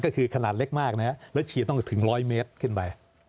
ก็คือขนาดเล็กมากนะฮะแล้วฉีดต้องถึง๑๐๐เมตรขึ้นไป